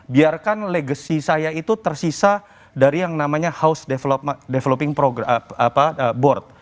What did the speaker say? biarkan legacy saya itu tersisa dari yang namanya house developing board